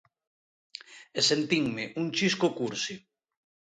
E sentinme un chisco cursi.